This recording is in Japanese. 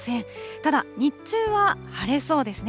ただ、日中は晴れそうですね。